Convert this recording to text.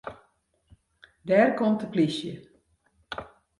Dêr komt de polysje.